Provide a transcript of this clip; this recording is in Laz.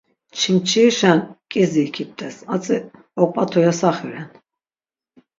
Çimçirişen k̆izi ikip̆t̆es, atzi ok̆vatu yasaxi ren.